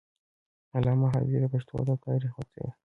علامه حبيبي د پښتو ادب تاریخ وڅیړه.